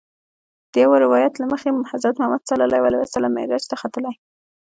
د یوه روایت له مخې حضرت محمد صلی الله علیه وسلم معراج ته ختلی.